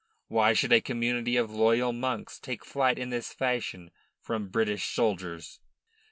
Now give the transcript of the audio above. Why should a community of loyal monks take flight in this fashion from British soldiers?